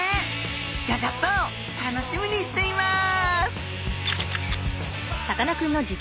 ギョギョッと楽しみにしています！